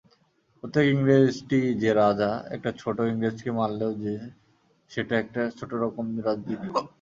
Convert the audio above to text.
প্রত্যেক ইংরেজটিই যে রাজা– একটা ছোটো ইংরেজকে মারলেও যে সেটা একটা ছোটোরকম রাজবিদ্রোহ।